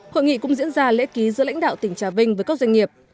hội nghị cũng diễn ra lễ ký giữa lãnh đạo tỉnh trà vinh với các doanh nghiệp